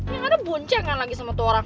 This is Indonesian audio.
ya gak ada boncengan lagi sama tu orang